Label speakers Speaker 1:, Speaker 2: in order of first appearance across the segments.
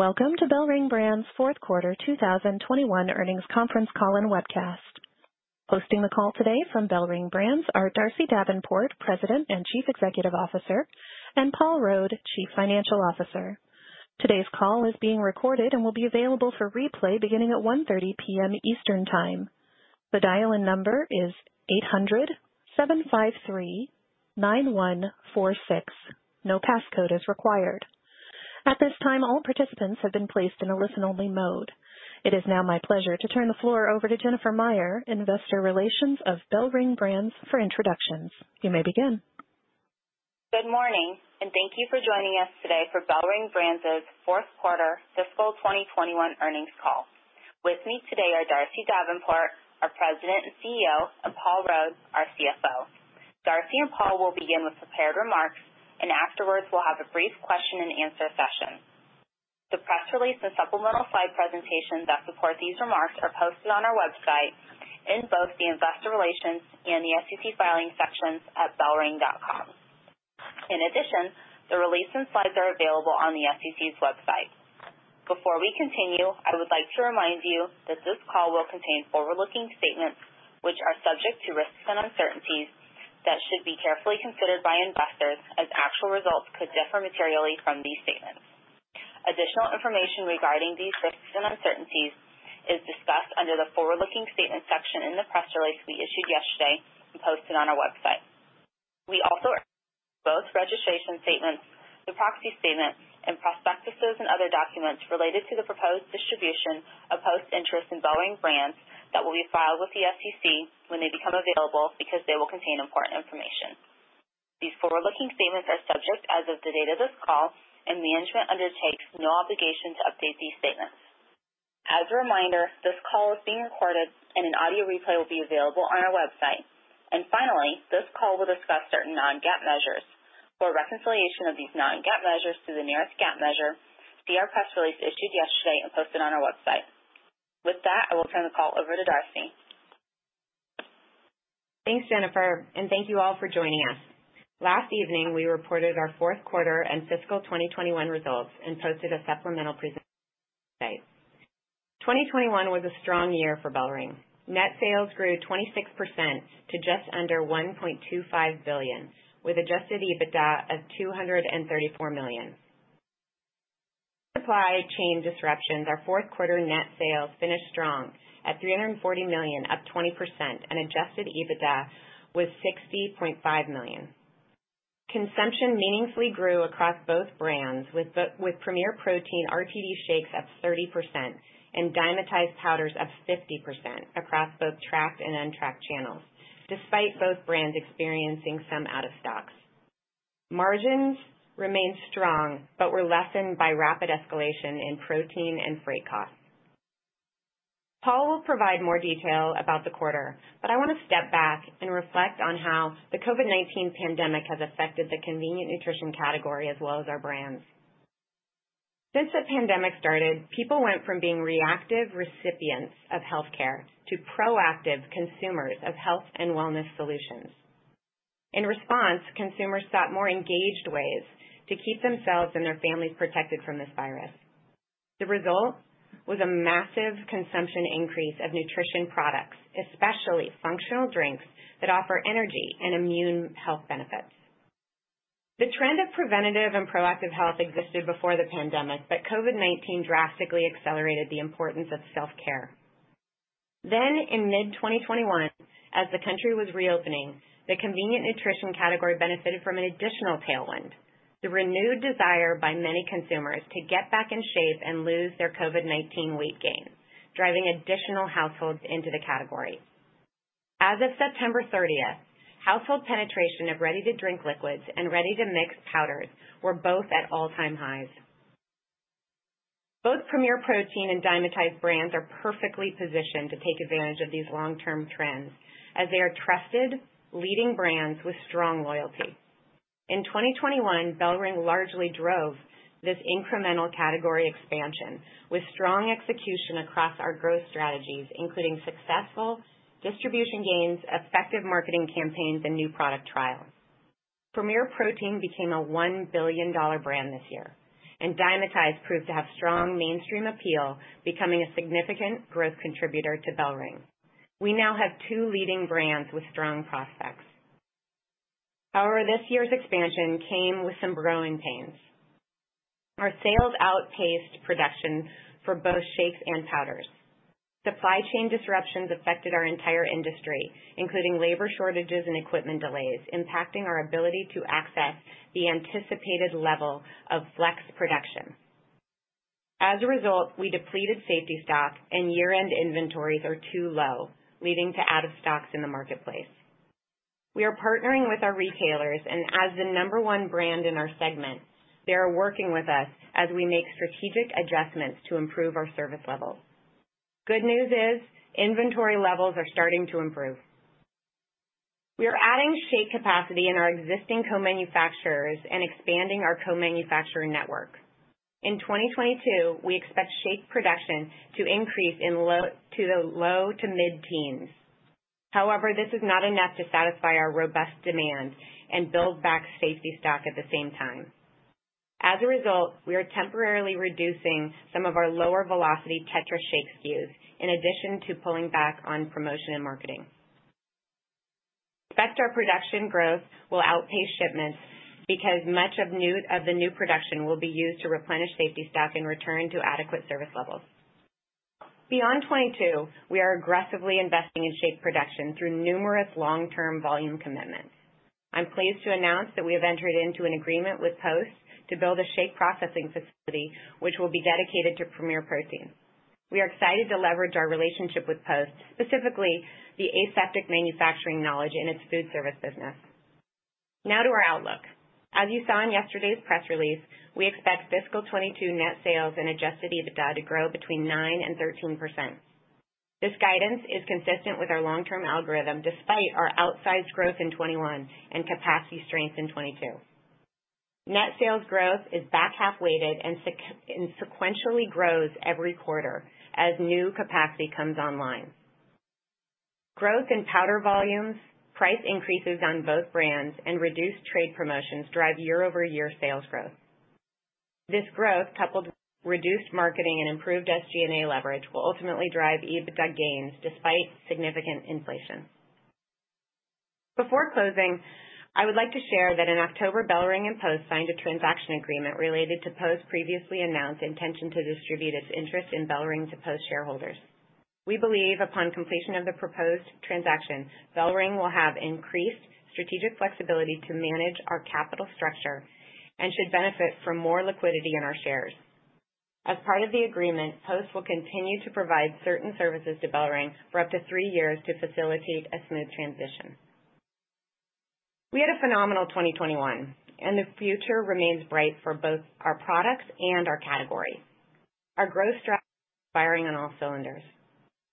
Speaker 1: Welcome to BellRing Brands' fourth quarter 2021 earnings conference call and webcast. Hosting the call today from BellRing Brands are Darcy Davenport, President and Chief Executive Officer, and Paul Rode, Chief Financial Officer. Today's call is being recorded and will be available for replay beginning at 1:30 P.M. Eastern Time. The dial-in number is 800-753-9146. No passcode is required. At this time, all participants have been placed in a listen-only mode. It is now my pleasure to turn the floor over to Jennifer Meyer, Investor Relations of BellRing Brands for introductions. You may begin.
Speaker 2: Good morning, and thank you for joining us today for BellRing Brands' fourth quarter fiscal 2021 earnings call. With me today are Darcy Davenport, our President and CEO, and Paul Rode, our CFO. Darcy and Paul will begin with prepared remarks, and afterwards we'll have a brief question and answer session. The press release and supplemental slide presentation that support these remarks are posted on our website in both the Investor Relations and the SEC filings sections at bellring.com. In addition, the release and slides are available on the SEC's website. Before we continue, I would like to remind you that this call will contain forward-looking statements which are subject to risks and uncertainties that should be carefully considered by investors, as actual results could differ materially from these statements. Additional information regarding these risks and uncertainties is discussed under the Forward-Looking Statements section in the press release we issued yesterday and posted on our website. We also encourage you to read both registration statements, the proxy statement, and prospectuses and other documents related to the proposed distribution of Post's interest in BellRing Brands that will be filed with the SEC when they become available, because they will contain important information. These forward-looking statements are made as of the date of this call, and management undertakes no obligation to update these statements. As a reminder, this call is being recorded and an audio replay will be available on our website. Finally, this call will discuss certain non-GAAP measures. For a reconciliation of these non-GAAP measures to the nearest GAAP measure, see our press release issued yesterday and posted on our website. With that, I will turn the call over to Darcy.
Speaker 3: Thanks, Jennifer, and thank you all for joining us. Last evening, we reported our fourth quarter and fiscal 2021 results and posted a supplemental presentation. 2021 was a strong year for BellRing. Net sales grew 26% to just under $1.25 billion, with adjusted EBITDA of $234 million. Despite supply chain disruptions, our fourth quarter net sales finished strong at $340 million, up 20%, and adjusted EBITDA was $60.5 million. Consumption meaningfully grew across both brands with Premier Protein RTD shakes up 30% and Dymatize powders up 50% across both tracked and untracked channels, despite both brands experiencing some out of stocks. Margins remained strong but were lessened by rapid escalation in protein and freight costs. Paul will provide more detail about the quarter, but I wanna step back and reflect on how the COVID-19 pandemic has affected the convenient nutrition category as well as our brands. Since the pandemic started, people went from being reactive recipients of healthcare to proactive consumers of health and wellness solutions. In response, consumers sought more engaged ways to keep themselves and their families protected from this virus. The result was a massive consumption increase of nutrition products, especially functional drinks that offer energy and immune health benefits. The trend of preventative and proactive health existed before the pandemic, but COVID-19 drastically accelerated the importance of self-care. In mid-2021, as the country was reopening, the convenient nutrition category benefited from an additional tailwind, the renewed desire by many consumers to get back in shape and lose their COVID-19 weight gain, driving additional households into the category. As of September 30, household penetration of ready-to-drink liquids and ready-to-mix powders were both at all-time highs. Both Premier Protein and Dymatize brands are perfectly positioned to take advantage of these long-term trends as they are trusted, leading brands with strong loyalty. In 2021, BellRing largely drove this incremental category expansion with strong execution across our growth strategies, including successful distribution gains, effective marketing campaigns, and new product trials. Premier Protein became a $1 billion brand this year, and Dymatize proved to have strong mainstream appeal, becoming a significant growth contributor to BellRing. We now have two leading brands with strong prospects. However, this year's expansion came with some growing pains. Our sales outpaced production for both shakes and powders. Supply chain disruptions affected our entire industry, including labor shortages and equipment delays, impacting our ability to access the anticipated level of flex production. As a result, we depleted safety stock and year-end inventories are too low, leading to out of stocks in the marketplace. We are partnering with our retailers and as the number one brand in our segment, they are working with us as we make strategic adjustments to improve our service levels. Good news is inventory levels are starting to improve. We are adding shake capacity in our existing co-manufacturers and expanding our co-manufacturing network. In 2022, we expect shake production to increase in the low to mid-teens. However, this is not enough to satisfy our robust demand and build back safety stock at the same time. As a result, we are temporarily reducing some of our lower velocity Tetra Shake SKUs in addition to pulling back on promotion and marketing. expect our production growth will outpace shipments because much of the new production will be used to replenish safety stock and return to adequate service levels. Beyond 2022, we are aggressively investing in shake production through numerous long-term volume commitments. I'm pleased to announce that we have entered into an agreement with Post to build a shake processing facility which will be dedicated to Premier Protein. We are excited to leverage our relationship with Post, specifically the aseptic manufacturing knowledge in its food service business. Now to our outlook. As you saw in yesterday's press release, we expect fiscal 2022 net sales and adjusted EBITDA to grow 9%-13%. This guidance is consistent with our long-term algorithm, despite our outsized growth in 2021 and capacity strength in 2022. Net sales growth is back-half weighted and sequentially grows every quarter as new capacity comes online. Growth in powder volumes, price increases on both brands, and reduced trade promotions drive year-over-year sales growth. This growth, coupled with reduced marketing and improved SG&A leverage, will ultimately drive EBITDA gains despite significant inflation. Before closing, I would like to share that in October, BellRing and Post signed a transaction agreement related to Post's previously announced intention to distribute its interest in BellRing to Post shareholders. We believe upon completion of the proposed transaction, BellRing will have increased strategic flexibility to manage our capital structure and should benefit from more liquidity in our shares. As part of the agreement, Post will continue to provide certain services to BellRing for up to three years to facilitate a smooth transition. We had a phenomenal 2021, and the future remains bright for both our products and our category. Our growth strategy is firing on all cylinders.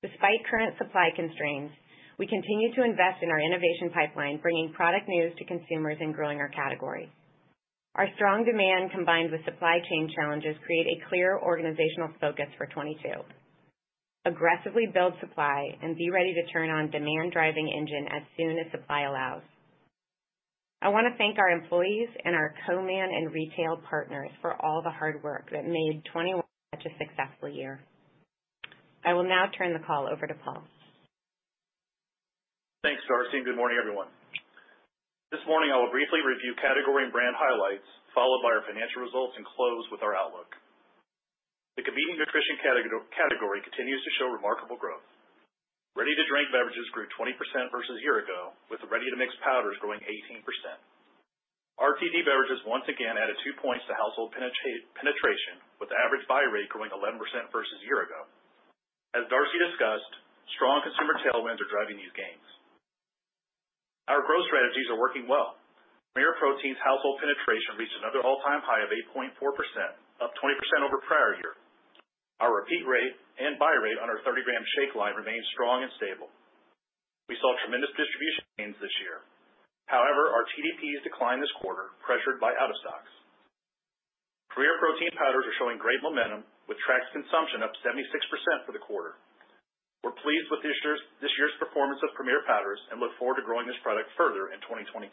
Speaker 3: Despite current supply constraints, we continue to invest in our innovation pipeline, bringing product news to consumers and growing our category. Our strong demand, combined with supply chain challenges, create a clear organizational focus for 2022. Aggressively build supply and be ready to turn on demand driving engine as soon as supply allows. I wanna thank our employees and our co-man and retail partners for all the hard work that made 2021 such a successful year. I will now turn the call over to Paul.
Speaker 4: Thanks, Darcy, and good morning, everyone. This morning I will briefly review category and brand highlights, followed by our financial results, and close with our outlook. The convenient nutrition category continues to show remarkable growth. Ready-to-drink beverages grew 20% versus a year ago, with ready-to-mix powders growing 18%. RTD beverages once again added two points to household penetration, with average buy rate growing 11% versus a year ago. As Darcy discussed, strong consumer tailwinds are driving these gains. Our growth strategies are working well. Premier Protein's household penetration reached another all-time high of 8.4%, up 20% over prior year. Our repeat rate and buy rate on our 30 g shake line remains strong and stable. We saw tremendous distribution gains this year. However, our TDPs declined this quarter, pressured by out of stocks. Premier Protein powders are showing great momentum, with tracked consumption up 76% for the quarter. We're pleased with this year's performance of Premier powders and look forward to growing this product further in 2022.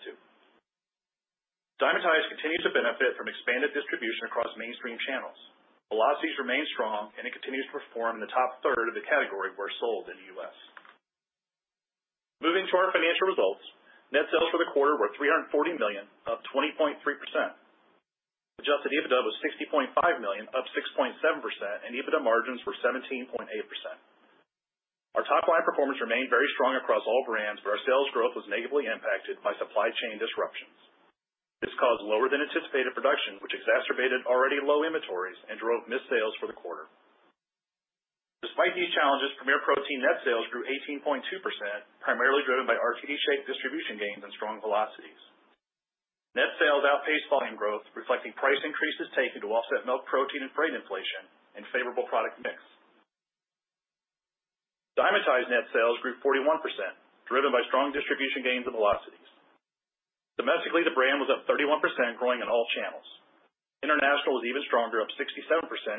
Speaker 4: Dymatize continues to benefit from expanded distribution across mainstream channels. Velocities remain strong, and it continues to perform in the top third of the category where sold in the U.S. Moving to our financial results. Net sales for the quarter were $340 million, up 20.3%. Adjusted EBITDA was $60.5 million, up 6.7%, and EBITDA margins were 17.8%. Our top line performance remained very strong across all brands, but our sales growth was negatively impacted by supply chain disruptions. This caused lower than anticipated production, which exacerbated already low inventories and drove missed sales for the quarter. Despite these challenges, Premier Protein net sales grew 18.2%, primarily driven by RTD shake distribution gains and strong velocities. Net sales outpaced volume growth, reflecting price increases taken to offset milk protein and freight inflation and favorable product mix. Dymatize net sales grew 41%, driven by strong distribution gains and velocities. Domestically, the brand was up 31%, growing in all channels. International was even stronger, up 67%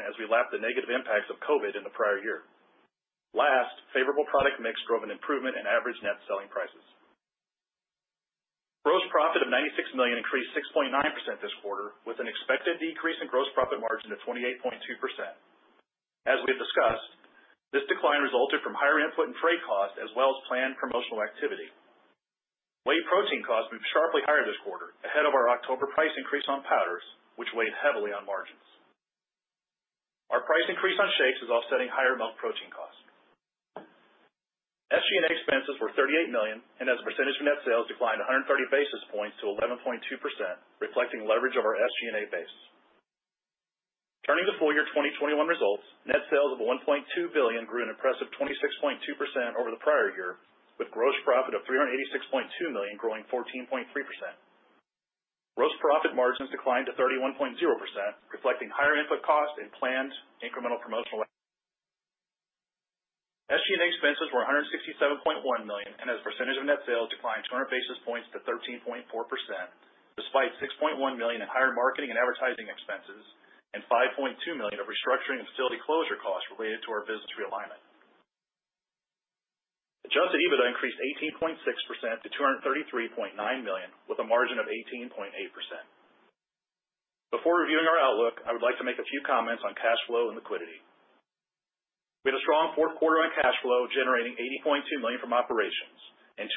Speaker 4: as we lapped the negative impacts of COVID in the prior year. Last, favorable product mix drove an improvement in average net selling prices. Gross profit of $96 million increased 6.9% this quarter, with an expected decrease in gross profit margin to 28.2%. As we have discussed, this decline resulted from higher input and freight costs as well as planned promotional activity. Whey protein costs moved sharply higher this quarter ahead of our October price increase on powders, which weighed heavily on margins. Our price increase on shakes is offsetting higher milk protein costs. SG&A expenses were $38 million and as a percentage of net sales declined 130 basis points to 11.2%, reflecting leverage of our SG&A base. Turning to full year 2021 results. Net sales of $1.2 billion grew an impressive 26.2% over the prior year, with gross profit of $386.2 million growing 14.3%. Gross profit margins declined to 31.0%, reflecting higher input costs and planned incremental promotional. SG&A expenses were $167.1 million, and as a percentage of net sales declined 200 basis points to 13.4%. Despite $6.1 million in higher marketing and advertising expenses and $5.2 million of restructuring and facility closure costs related to our business realignment. Adjusted EBITDA increased 18.6% to $233.9 million, with a margin of 18.8%. Before reviewing our outlook, I would like to make a few comments on cash flow and liquidity. We had a strong fourth quarter on cash flow, generating $80.2 million from operations and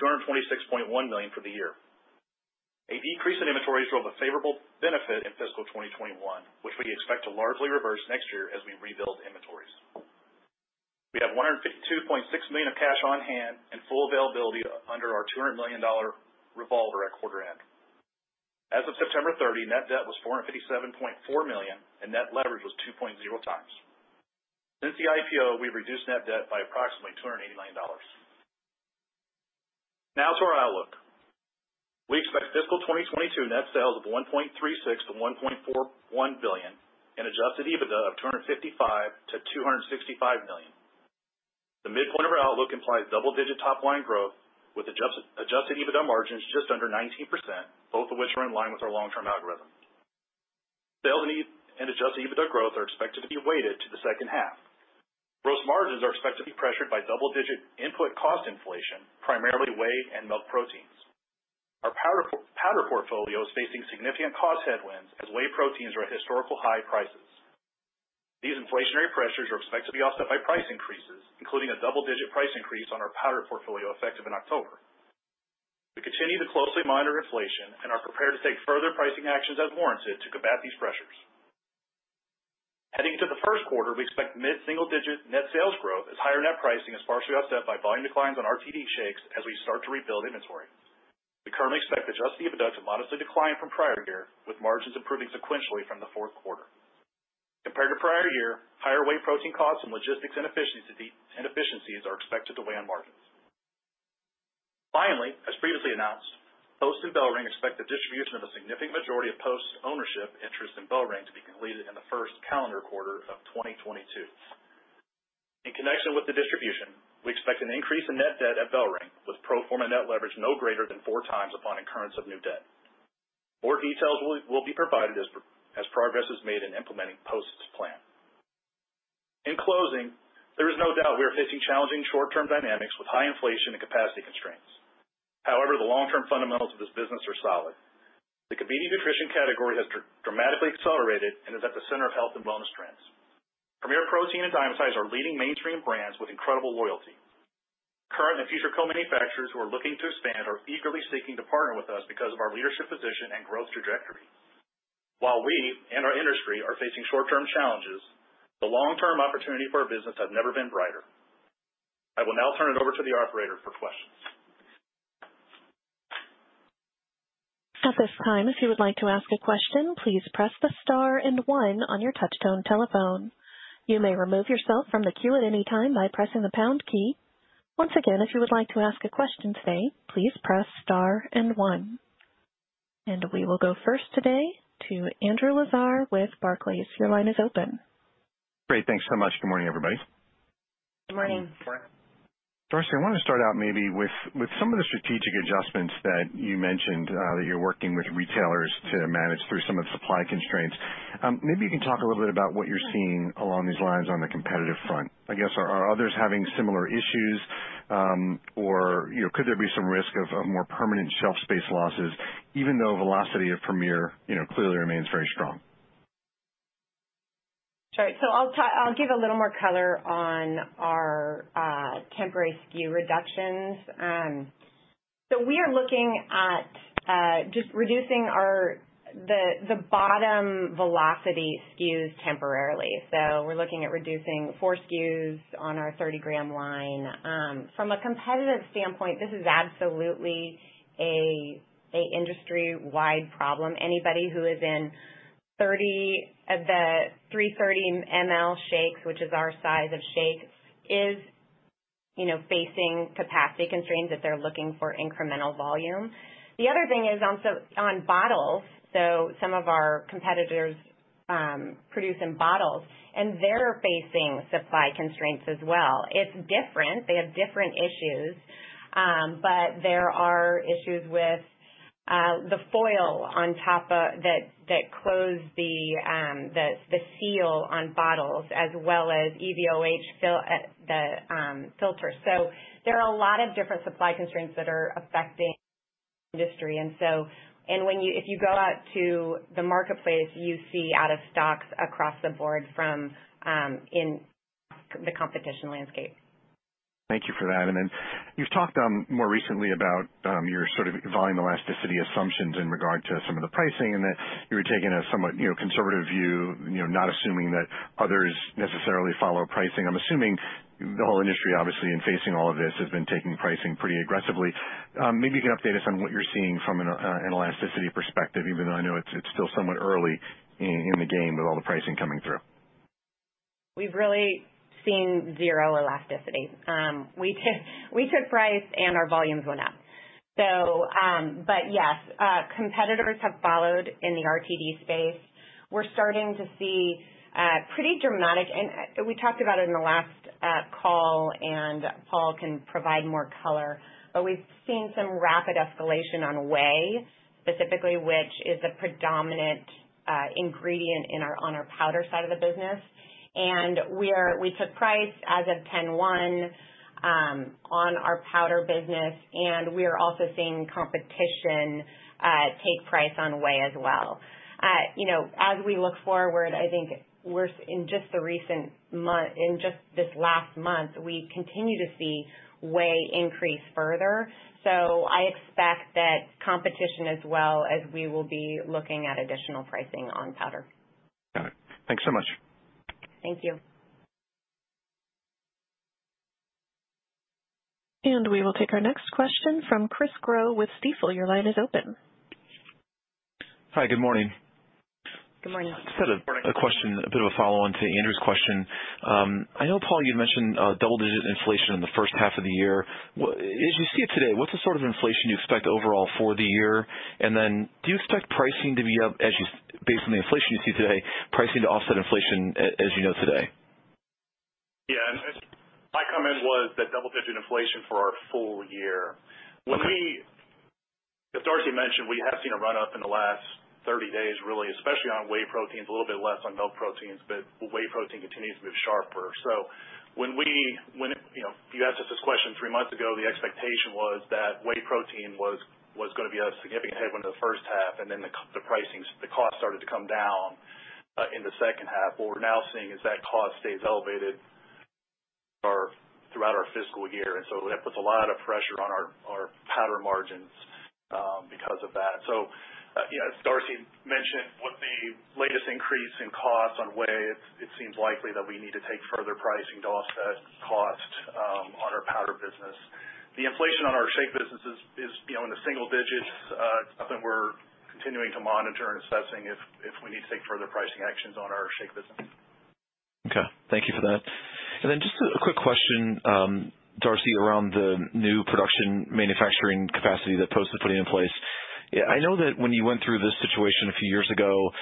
Speaker 4: $226.1 million for the year. A decrease in inventories drove a favorable benefit in fiscal 2021, which we expect to largely reverse next year as we rebuild inventories. We have $152.6 million of cash on hand and full availability under our $200 million revolver at quarter end. As of September 30, net debt was $457.4 million, and net leverage was 2.0x. Since the IPO, we've reduced net debt by approximately $289 million. Now to our outlook. We expect fiscal 2022 net sales of $1.36 billion-$1.41 billion and adjusted EBITDA of $255 million-$265 million. The midpoint of our outlook implies double-digit top line growth with adjusted EBITDA margins just under 19%, both of which are in line with our long-term algorithm. Sales and adjusted EBITDA growth are expected to be weighted to the second half. Gross margins are expected to be pressured by double-digit input cost inflation, primarily whey and milk proteins. Our powder portfolio is facing significant cost headwinds as whey proteins are at historical high prices. These inflationary pressures are expected to be offset by price increases, including a double-digit price increase on our powder portfolio effective in October. We continue to closely monitor inflation and are prepared to take further pricing actions as warranted to combat these pressures. Heading into the first quarter, we expect mid-single-digit net sales growth as higher net pricing is partially offset by volume declines on RTD shakes as we start to rebuild inventory. We currently expect adjusted EBITDA to modestly decline from prior year, with margins improving sequentially from the fourth quarter. Compared to prior year, higher whey protein costs and logistics inefficiencies are expected to weigh on margins. Finally, as previously announced, Post and BellRing expect the distribution of a significant majority of Post's ownership interest in BellRing to be completed in the first calendar quarter of 2022. In connection with the distribution, we expect an increase in net debt at BellRing, with pro forma net leverage no greater than four times upon occurrence of new debt. More details will be provided as progress is made in implementing Post's plan. In closing, there is no doubt we are facing challenging short-term dynamics with high inflation and capacity constraints. However, the long-term fundamentals of this business are solid. The convenient nutrition category has dramatically accelerated and is at the center of health and wellness trends. Premier Protein and Dymatize are leading mainstream brands with incredible loyalty. Current and future co-manufacturers who are looking to expand are eagerly seeking to partner with us because of our leadership position and growth trajectory. While we and our industry are facing short-term challenges, the long-term opportunity for our business have never been brighter. I will now turn it over to the operator for questions.
Speaker 1: We will go first today to Andrew Lazar with Barclays. Your line is open.
Speaker 5: Great. Thanks so much. Good morning, everybody.
Speaker 3: Good morning.
Speaker 5: Darcy, I wanna start out maybe with some of the strategic adjustments that you mentioned that you're working with retailers to manage through some of the supply constraints. Maybe you can talk a little bit about what you're seeing along these lines on the competitive front. I guess, are others having similar issues, or, you know, could there be some risk of more permanent shelf space losses even though velocity of Premier, you know, clearly remains very strong?
Speaker 3: Sure. I'll give a little more color on our temporary SKU reductions. We are looking at just reducing our bottom velocity SKUs temporarily. We're looking at reducing four SKUs on our 30 g line. From a competitive standpoint, this is absolutely an industry-wide problem. Anybody who is in the 330 mL shakes, which is our size of shake, you know, facing capacity constraints if they're looking for incremental volume. The other thing is also on bottles, so some of our competitors produce in bottles, and they're facing supply constraints as well. It's different. They have different issues, but there are issues with the foil on top of that that close the seal on bottles, as well as EVOH filters. There are a lot of different supply constraints that are affecting industry. If you go out to the marketplace, you see out-of-stocks across the board from in the competitive landscape.
Speaker 5: Thank you for that. You've talked more recently about your sort of volume elasticity assumptions in regard to some of the pricing and that you were taking a somewhat, you know, conservative view, you know, not assuming that others necessarily follow pricing. I'm assuming the whole industry, obviously, in facing all of this has been taking pricing pretty aggressively. Maybe you can update us on what you're seeing from an elasticity perspective, even though I know it's still somewhat early in the game with all the pricing coming through.
Speaker 3: We've really seen zero elasticity. We took price, and our volumes went up. But yes, competitors have followed in the RTD space. We talked about it in the last call, and Paul can provide more color, but we've seen some rapid escalation on whey, specifically, which is a predominant ingredient in our powder side of the business. We took price as of 10/1 on our powder business, and we are also seeing competition take price on whey as well. You know, as we look forward, I think in just this last month, we continue to see whey increase further. I expect that competition as well as we will be looking at additional pricing on powder.
Speaker 5: Got it. Thanks so much.
Speaker 3: Thank you.
Speaker 1: We will take our next question from Chris Growe with Stifel. Your line is open.
Speaker 6: Hi. Good morning.
Speaker 3: Good morning.
Speaker 6: Just had a question, a bit of a follow-on to Andrew's question. I know, Paul, you'd mentioned double-digit inflation in the first half of the year. As you see it today, what's the sort of inflation you expect overall for the year? And then do you expect pricing to be up based on the inflation you see today, pricing to offset inflation as you know today?
Speaker 4: Yeah. My comment was that double-digit inflation for our full year.
Speaker 6: Okay.
Speaker 4: As Darcy mentioned, we have seen a run up in the last 30 days really, especially on whey proteins, a little bit less on milk proteins, but whey protein continues to move sharper. When it, you know, if you asked us this question three months ago, the expectation was that whey protein was gonna be a significant headwind in the first half, and then the pricing, the cost started to come down in the second half. What we're now seeing is that cost stays elevated throughout our fiscal year, and so that puts a lot of pressure on our powder margins because of that. You know, as Darcy mentioned, with the latest increase in cost on whey, it seems likely that we need to take further pricing to offset cost on our powder business. The inflation on our shake business is, you know, in the single digits. It's something we're continuing to monitor and assessing if we need to take further pricing actions on our shake business.
Speaker 6: Okay. Thank you for that. Just a quick question, Darcy, around the new production manufacturing capacity that Post is putting in place. I know that when you went through this situation a few years ago,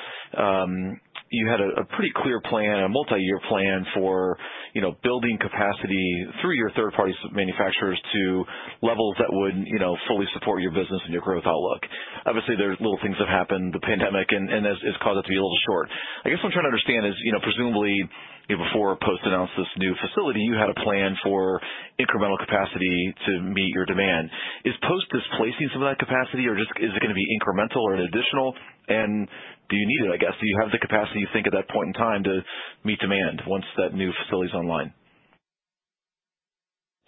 Speaker 6: you had a pretty clear plan, a multiyear plan for, you know, building capacity through your third-party manufacturers to levels that would, you know, fully support your business and your growth outlook. Obviously, little things have happened, the pandemic, and it's caused it to be a little short. I guess what I'm trying to understand is, you know, presumably, you know, before Post announced this new facility, you had a plan for incremental capacity to meet your demand. Is Post displacing some of that capacity, or just is it gonna be incremental or an additional, and do you need it, I guess? Do you have the capacity at that point in time to meet demand once that new facility's online?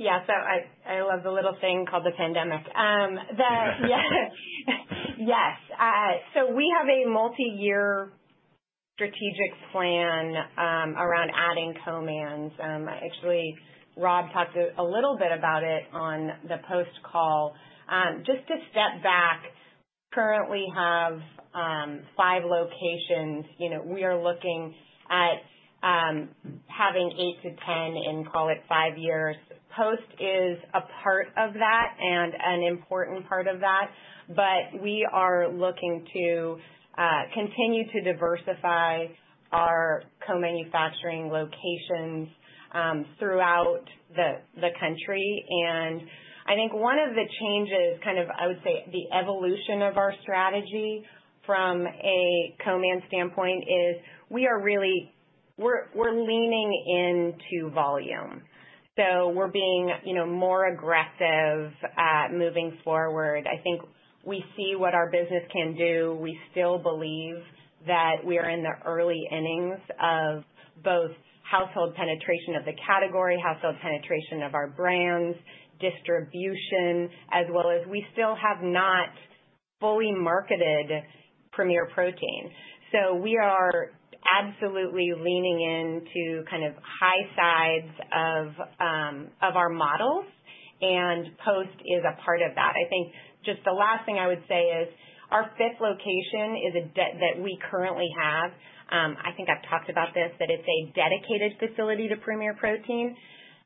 Speaker 3: I love the little thing called the pandemic. We have a multiyear strategic plan around adding co-mans. Actually, Rob talked a little bit about it on the Post call. Just to step back, we currently have five locations. You know, we are looking at having 8-10 in, call it, five years. Post is a part of that and an important part of that, but we are looking to continue to diversify our co-manufacturing locations throughout the country. I think one of the changes, kind of, I would say, the evolution of our strategy from a co-man standpoint is we are leaning into volume. We are being, you know, more aggressive at moving forward. I think we see what our business can do. We still believe that we are in the early innings of both household penetration of the category, household penetration of our brands, distribution, as well as we still have not fully marketed Premier Protein. We are absolutely leaning into kind of high sides of our models, and Post is a part of that. I think just the last thing I would say is our fifth location that we currently have, I think I've talked about this, that it's a dedicated facility to Premier Protein.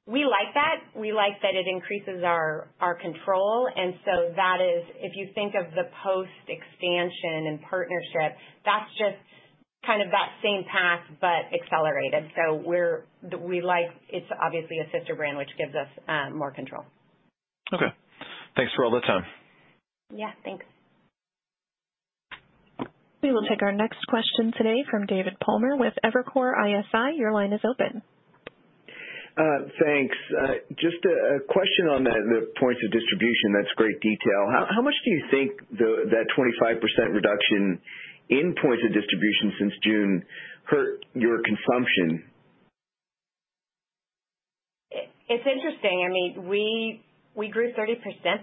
Speaker 3: We like that. We like that it increases our control. That is, if you think of the Post expansion and partnership, that's just kind of that same path but accelerated. We like. It's obviously a sister brand, which gives us more control.
Speaker 6: Okay. Thanks for all the time.
Speaker 3: Yeah. Thanks.
Speaker 1: We will take our next question today from David Palmer with Evercore ISI. Your line is open.
Speaker 7: Thanks. Just a question on the points of distribution. That's great detail. How much do you think that 25% reduction in points of distribution since June hurt your consumption?
Speaker 3: It's interesting. I mean, we grew 30%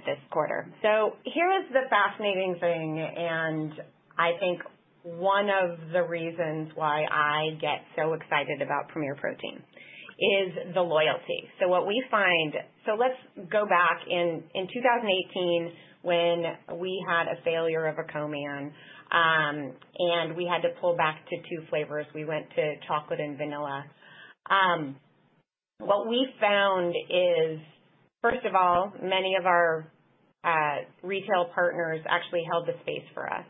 Speaker 3: this quarter. Here is the fascinating thing, and I think one of the reasons why I get so excited about Premier Protein is the loyalty. What we find is, let's go back. In 2018 when we had a failure of a co-man and we had to pull back to two flavors, we went to chocolate and vanilla. What we found is, first of all, many of our retail partners actually held the space for us.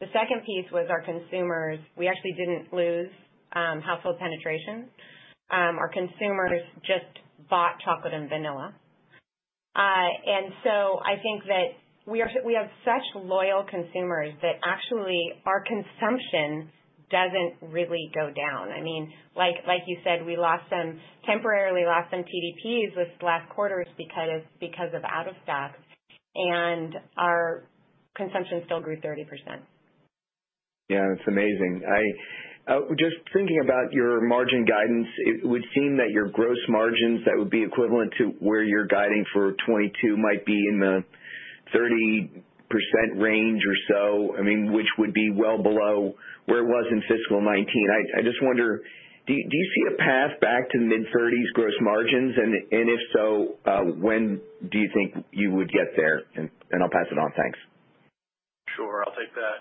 Speaker 3: The second piece was our consumers. We actually didn't lose household penetration. Our consumers just bought chocolate and vanilla. I think that we have such loyal consumers that actually our consumption doesn't really go down. I mean, like you said, we temporarily lost some TDPs this last quarter because of out-of-stocks, and our consumption still grew 30%.
Speaker 7: Yeah, it's amazing. I'm just thinking about your margin guidance. It would seem that your gross margins that would be equivalent to where you're guiding for 2022 might be in the 30% range or so, I mean, which would be well below where it was in fiscal 2019. I just wonder, do you see a path back to mid-30s gross margins? If so, when do you think you would get there? I'll pass it on. Thanks.
Speaker 4: Sure. I'll take that.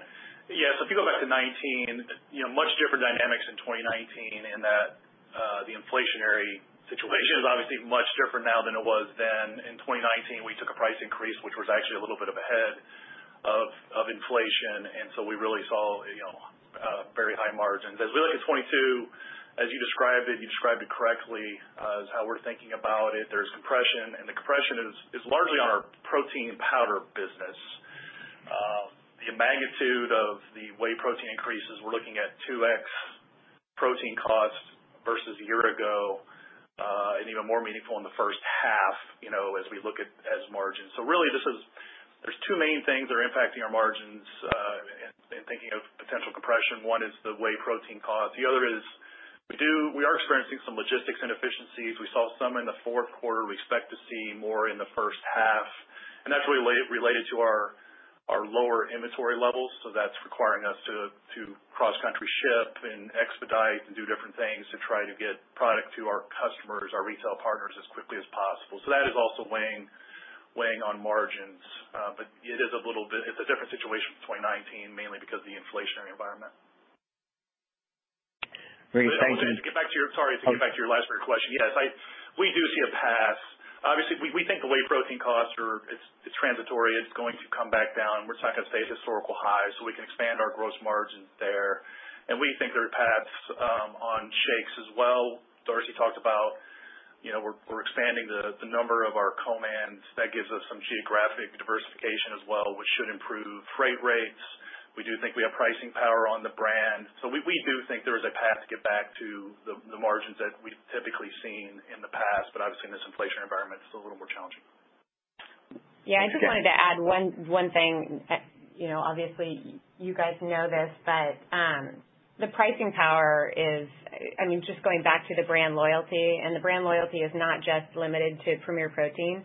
Speaker 4: Yes, if you go back to 2019, you know, much different dynamics in 2019 in that, the inflationary situation is obviously much different now than it was then. In 2019, we took a price increase, which was actually a little bit ahead of inflation, and so we really saw, you know, very high margins. As we look at 2022, as you described it, you described it correctly, as how we're thinking about it. There's compression, and the compression is largely on our protein powder business. The magnitude of the whey protein increases, we're looking at 2x protein costs versus a year ago, and even more meaningful in the first half, you know, as we look at margins. Really this is. There's two main things that are impacting our margins, in thinking of potential compression. One is the whey protein costs. The other is we are experiencing some logistics inefficiencies. We saw some in the fourth quarter. We expect to see more in the first half, and that's really related to our lower inventory levels, so that's requiring us to cross-country ship and expedite and do different things to try to get product to our customers, our retail partners, as quickly as possible. So that is also weighing on margins. It's a different situation from 2019, mainly because of the inflationary environment.
Speaker 7: Great. Thank you.
Speaker 4: Sorry, to get back to your last part of your question. Yes, we do see a path. Obviously, we think the whey protein costs are transitory. It's going to come back down. We're not gonna stay at historical highs, so we can expand our gross margins there. We think there are paths on shakes as well. Darcy talked about we're expanding the number of our co-mans. That gives us some geographic diversification as well, which should improve freight rates. We do think we have pricing power on the brand. We do think there is a path to get back to the margins that we've typically seen in the past, but obviously in this inflationary environment, it's a little more challenging.
Speaker 3: Yeah, I just wanted to add one thing. You know, obviously you guys know this, but the pricing power is. I mean, just going back to the brand loyalty, and the brand loyalty is not just limited to Premier Protein.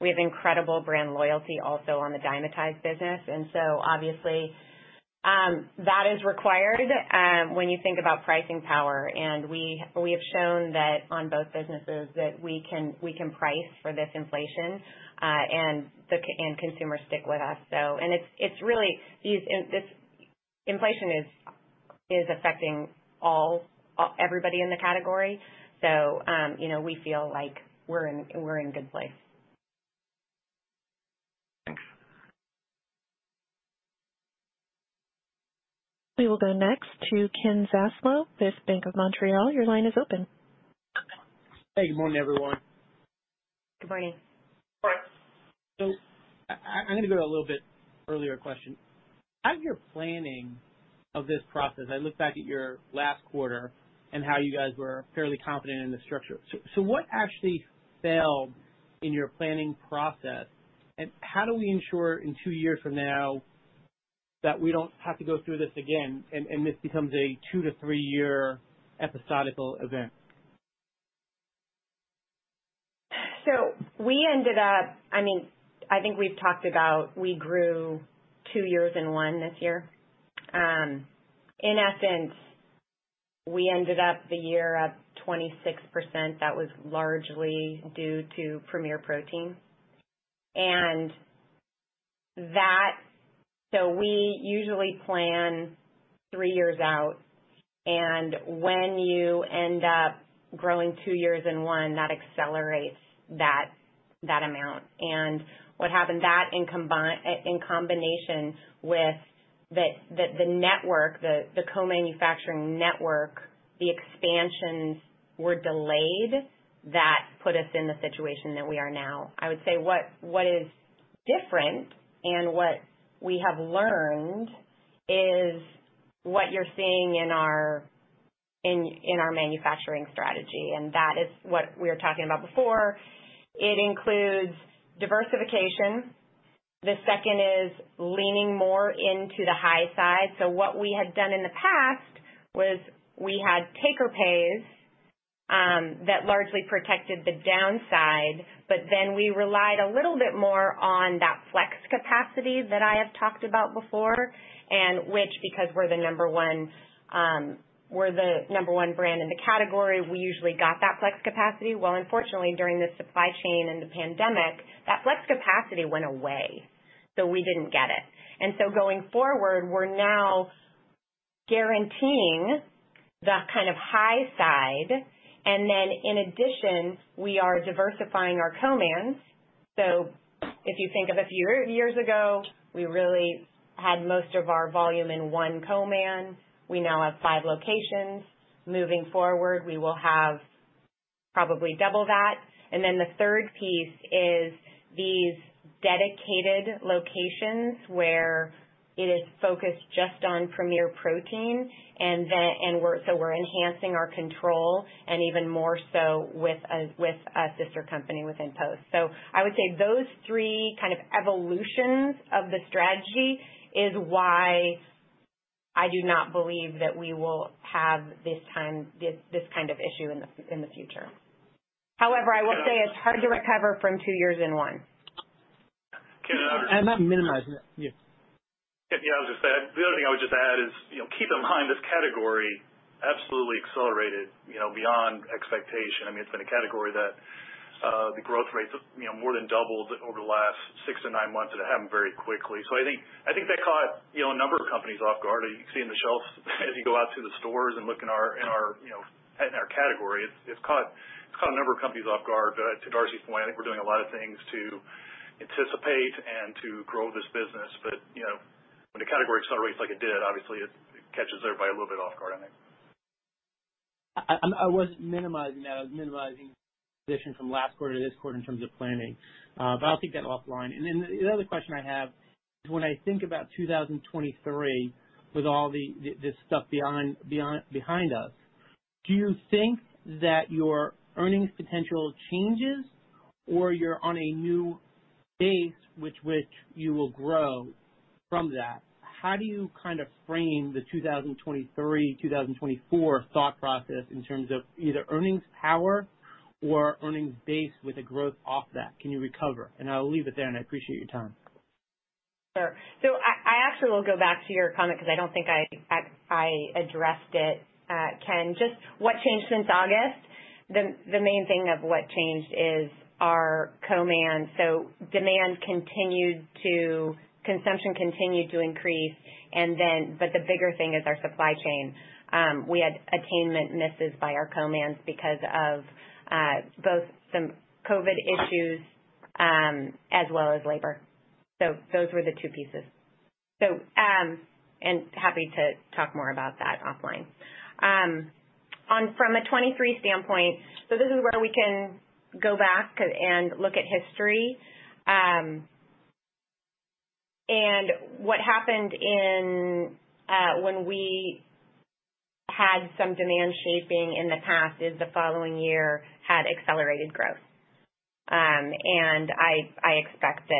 Speaker 3: We have incredible brand loyalty also on the Dymatize business, and so obviously that is required when you think about pricing power. And we have shown that on both businesses that we can price for this inflation, and consumers stick with us. So and it's really these. And this inflation is affecting all everybody in the category. So you know, we feel like we're in a good place.
Speaker 7: Thanks.
Speaker 1: We will go next to Ken Zaslow with Bank of Montreal. Your line is open.
Speaker 8: Hey, good morning, everyone.
Speaker 3: Good morning.
Speaker 4: Morning.
Speaker 8: I'm gonna go to a little bit earlier question. Out of your planning of this process, I look back at your last quarter and how you guys were fairly confident in the structure. What actually failed in your planning process, and how do we ensure in two years from now that we don't have to go through this again and this becomes a two- to three-year episodic event?
Speaker 3: We ended up. I mean, I think we've talked about we grew two years in one this year. In essence, we ended up the year up 26%. That was largely due to Premier Protein. We usually plan three years out, and when you end up growing two years in one, that accelerates that amount. What happened that in combination with the co-manufacturing network, the expansions were delayed. That put us in the situation that we are now. I would say what is different and what we have learned is what you're seeing in our manufacturing strategy, and that is what we were talking about before. It includes diversification. The second is leaning more into the high side. What we had done in the past was we had take-or-pay that largely protected the downside, but then we relied a little bit more on that flex capacity that I have talked about before, and which, because we're the number one brand in the category, we usually got that flex capacity. Well, unfortunately, during the supply chain and the pandemic, that flex capacity went away, so we didn't get it. Going forward, we're now guaranteeing the kind of high side. In addition, we are diversifying our co-mans. If you think of a few years ago, we really had most of our volume in one co-man. We now have five locations. Moving forward, we will have probably double that. Then the third piece is these dedicated locations where it is focused just on Premier Protein and then we're enhancing our control and even more so with a sister company within Post. I would say those three kind of evolutions of the strategy is why I do not believe that we will have this kind of issue in the future. However, I would say it's hard to recover from two years in one.
Speaker 4: Can I-
Speaker 8: I'm not minimizing it. Yeah.
Speaker 4: Yeah, I was just gonna say, the only thing I would just add is, you know, keep in mind this category absolutely accelerated, you know, beyond expectation. I mean, it's been a category that the growth rates, you know, more than doubled over the last six to nine months, and it happened very quickly. I think that caught, you know, a number of companies off guard. You can see on the shelves as you go out to the stores and look in our category. It's caught a number of companies off guard. To Darcy's point, I think we're doing a lot of things to anticipate and to grow this business. When a category accelerates like it did, obviously it catches everybody a little bit off guard, I think.
Speaker 8: I wasn't minimizing that. I was minimizing position from last quarter to this quarter in terms of planning. But I'll take that offline. The other question I have is when I think about 2023 with all this stuff behind us, do you think that your earnings potential changes or you're on a new base which you will grow from that? How do you kind of frame the 2023, 2024 thought process in terms of either earnings power or earnings base with a growth off that? Can you recover? I'll leave it there, and I appreciate your time.
Speaker 3: Sure. I actually will go back to your comment because I don't think I addressed it, Ken. Just what changed since August? The main thing of what changed is our co-man. Consumption continued to increase. The bigger thing is our supply chain. We had attainment misses by our co-mans because of both some COVID issues as well as labor. Those were the two pieces. Happy to talk more about that offline. On from a 2023 standpoint, this is where we can go back and look at history. What happened when we had some demand shaping in the past is the following year had accelerated growth. I expect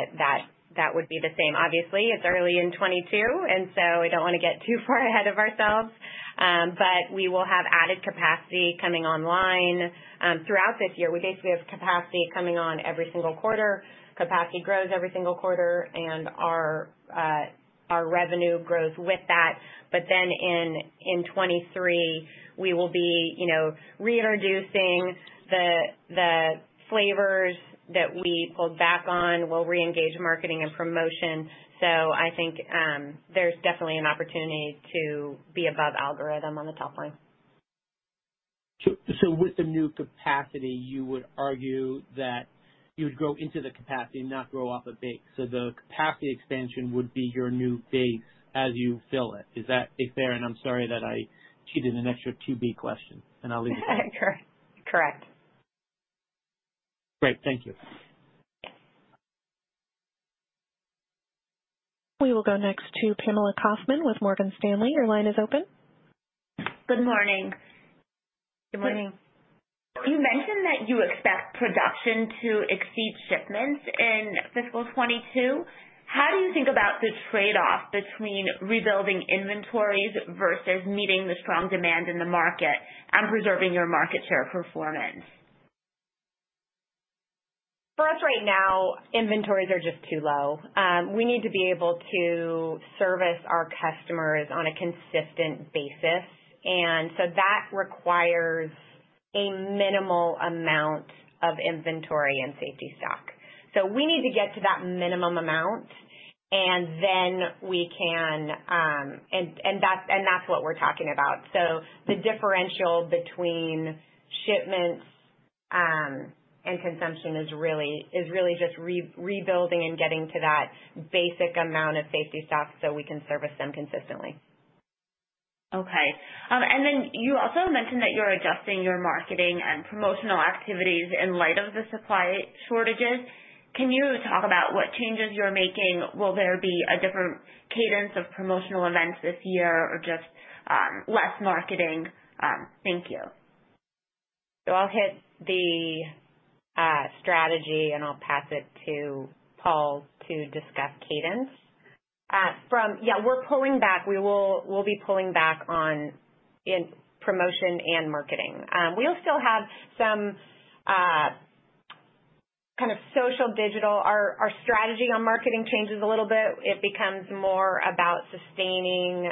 Speaker 3: that would be the same. Obviously, it's early in 2022, and so we don't wanna get too far ahead of ourselves. We will have added capacity coming online throughout this year. We basically have capacity coming on every single quarter. Capacity grows every single quarter, and our revenue grows with that. In 2023, we will be you know, reintroducing the flavors that we pulled back on. We'll reengage marketing and promotion. I think there's definitely an opportunity to be above algorithm on the top line.
Speaker 8: With the new capacity, you would argue that you would grow into the capacity, not grow off a base. The capacity expansion would be your new base as you fill it. Is that a fair? I'm sorry that I cheated an extra QB question, and I'll leave it at that.
Speaker 3: Correct.
Speaker 8: Great. Thank you.
Speaker 1: We will go next to Pamela Kaufman with Morgan Stanley. Your line is open.
Speaker 9: Good morning.
Speaker 3: Good morning.
Speaker 9: You mentioned that you expect production to exceed shipments in fiscal 2022. How do you think about the trade-off between rebuilding inventories versus meeting the strong demand in the market and preserving your market share performance?
Speaker 3: For us right now, inventories are just too low. We need to be able to service our customers on a consistent basis. That requires a minimal amount of inventory and safety stock. We need to get to that minimum amount, and then that's what we're talking about. The differential between shipments and consumption is really just rebuilding and getting to that basic amount of safety stock so we can service them consistently.
Speaker 9: Okay. You also mentioned that you're adjusting your marketing and promotional activities in light of the supply shortages. Can you talk about what changes you're making? Will there be a different cadence of promotional events this year or just less marketing? Thank you.
Speaker 3: I'll hit the strategy, and I'll pass it to Paul to discuss cadence. We're pulling back. We'll be pulling back on promotion and marketing. We'll still have some kind of social digital. Our strategy on marketing changes a little bit. It becomes more about sustaining.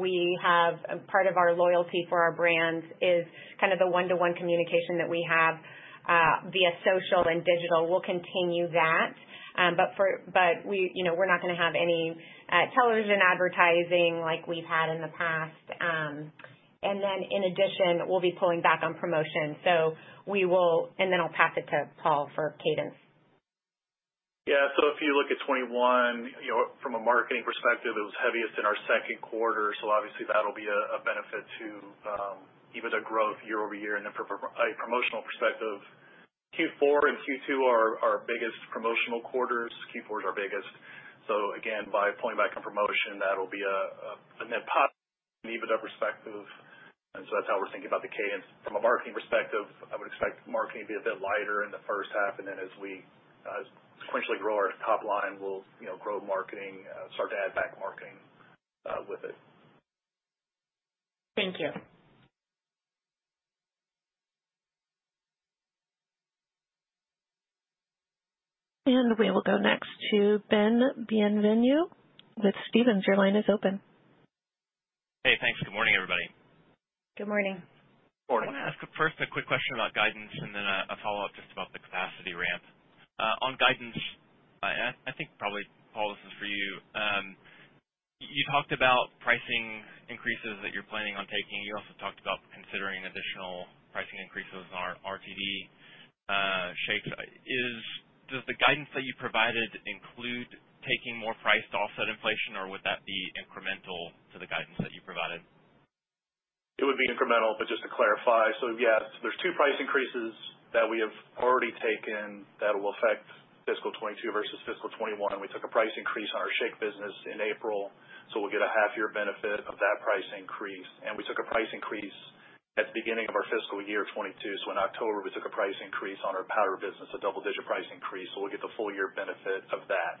Speaker 3: We have a part of our loyalty for our brands is kind of the one-to-one communication that we have via social and digital. We'll continue that. We, you know, we're not gonna have any television advertising like we've had in the past. In addition, we'll be pulling back on promotion. Then I'll pass it to Paul for cadence.
Speaker 4: Yeah. If you look at 2021, you know, from a marketing perspective, it was heaviest in our second quarter. Obviously that'll be a benefit to EBITDA growth year-over-year. From a promotional perspective, Q4 and Q2 are our biggest promotional quarters. Q4 is our biggest. Again, by pulling back on promotion, that'll be a net positive from an EBITDA perspective, and that's how we're thinking about the cadence. From a marketing perspective, I would expect marketing to be a bit lighter in the first half, and then as we sequentially grow our top line, we'll, you know, grow marketing, start to add back marketing with it.
Speaker 9: Thank you.
Speaker 1: We will go next to Ben Bienvenu with Stephens. Your line is open.
Speaker 10: Hey, thanks. Good morning, everybody.
Speaker 3: Good morning.
Speaker 4: Morning.
Speaker 10: I wanna ask first a quick question about guidance and then a follow-up just about the capacity ramp. On guidance, I think probably, Paul, this is for you. You talked about pricing increases that you're planning on taking. You also talked about considering additional pricing increases on RTD shakes. Does the guidance that you provided include taking more price to offset inflation, or would that be incremental to the guidance that you provided?
Speaker 4: It would be incremental, but just to clarify, so yeah, there's 2 price increases that we have already taken that will affect fiscal 2022 versus fiscal 2021, and we took a price increase on our shake business in April, so we'll get a half year benefit of that price increase. We took a price increase at the beginning of our fiscal year, 2022. In October, we took a price increase on our powder business, a double-digit price increase, so we'll get the full year benefit of that.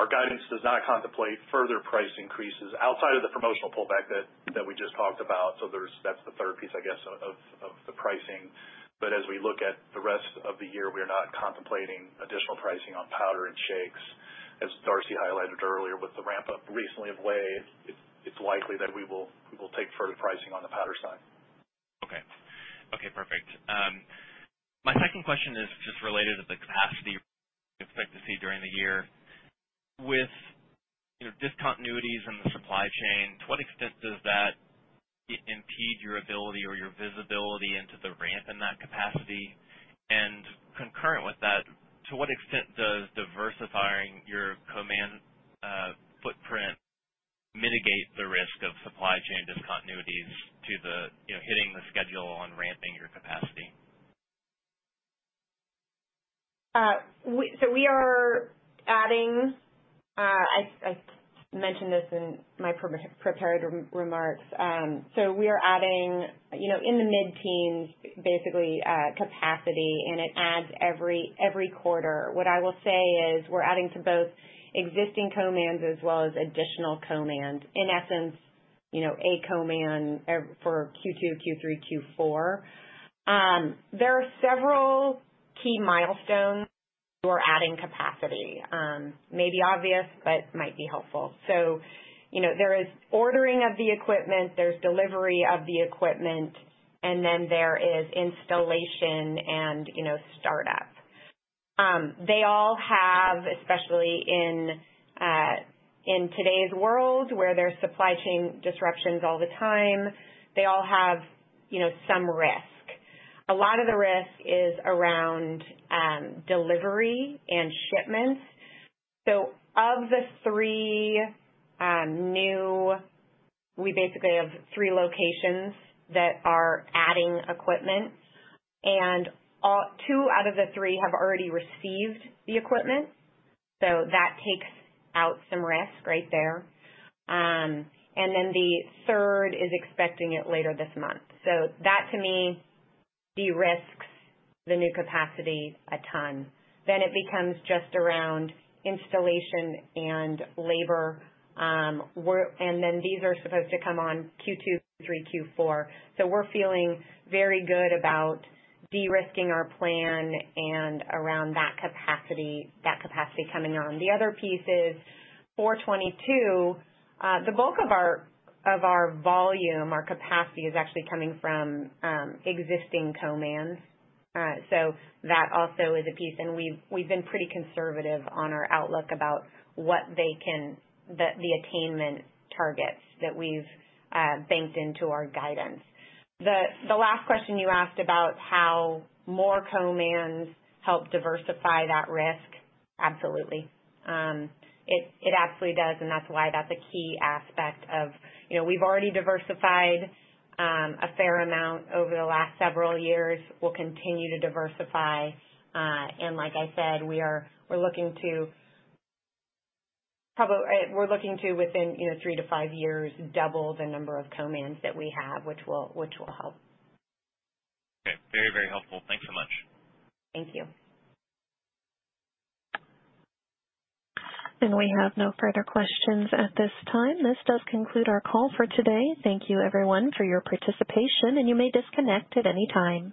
Speaker 4: Our guidance does not contemplate further price increases outside of the promotional pullback that we just talked about. That's the third piece, I guess, of the pricing. As we look at the rest of the year, we are not contemplating additional pricing on powder and shakes. As Darcy highlighted earlier, with the ramp-up recently of whey, it's likely that we will take further pricing on the powder side.
Speaker 10: Okay. Okay, perfect. My second question is just related to the capacity you expect to see during the year. With you know, discontinuities in the supply chain, to what extent does that impede your ability or your visibility into the ramp in that capacity? Concurrent with that, to what extent does diversifying your co-man footprint mitigate the risk of supply chain discontinuities to the you know, hitting the schedule on ramping your capacity?
Speaker 3: So we are adding. I mentioned this in my prepared remarks. We are adding, you know, in the mid-teens basically, capacity, and it adds every quarter. What I will say is we're adding to both existing co-mans as well as additional co-mans, in essence, you know, a co-man for Q2, Q3, Q4. There are several key milestones to adding capacity. It may be obvious, but might be helpful. You know, there is ordering of the equipment, there's delivery of the equipment, and then there is installation and, you know, startup. They all have, especially in today's world, where there are supply chain disruptions all the time, they all have, you know, some risk. A lot of the risk is around delivery and shipments. Of the three, new. We basically have three locations that are adding equipment, and two out of the three have already received the equipment, so that takes out some risk right there. The third is expecting it later this month. That, to me, de-risks the new capacity a ton. It becomes just around installation and labor. These are supposed to come on Q2, Q3, Q4. We're feeling very good about de-risking our plan and around that capacity coming on. The other piece is for 2022, the bulk of our volume, our capacity is actually coming from existing co-mans, so that also is a piece. We've been pretty conservative on our outlook about what they can. The attainment targets that we've banked into our guidance. The last question you asked about how more co-mans help diversify that risk, absolutely. It absolutely does, and that's why that's a key aspect of you know, we've already diversified a fair amount over the last several years. We'll continue to diversify. Like I said, we're looking to, within you know, three to five years, double the number of co-mans that we have, which will help.
Speaker 10: Okay. Very, very helpful. Thanks so much.
Speaker 3: Thank you.
Speaker 1: We have no further questions at this time. This does conclude our call for today. Thank you everyone for your participation, and you may disconnect at any time.